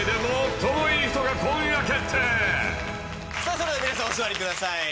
それでは皆さんお座りください。